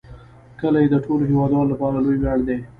کلي د ټولو هیوادوالو لپاره لوی ویاړ دی.